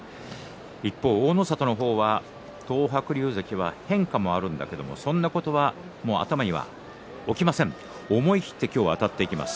一方、大の里の方は東白龍関は変化もあるんだけれどもそんなことは頭に置きません、思い切ってあたっていきます